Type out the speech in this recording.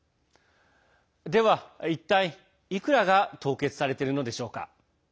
では一体、いくらが凍結されているのでしょうか。